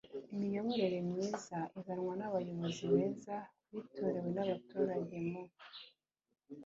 imiyoborere myiza izanwa n'abayobozi beza bitorewe n'abaturage mu